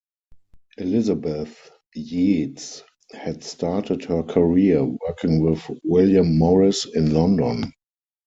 Elizabeth Yeats had started her career working with William Morris in London.